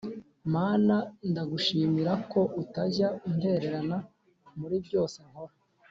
Mana ndagushimira ko utajya untererana muri byose nkora